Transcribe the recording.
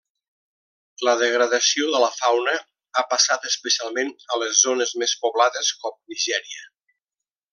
La degradació de la fauna ha passat especialment a les zones més poblades com Nigèria.